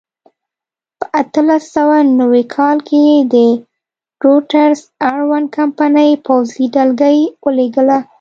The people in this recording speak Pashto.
په اتلس سوه نوي کال کې د روډز اړوند کمپنۍ پوځي ډلګۍ ولېږله.